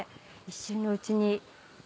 一瞬のうちに。